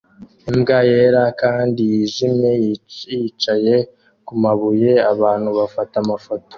Imbwa yera kandi yijimye yicaye kumabuye abantu bafata amafoto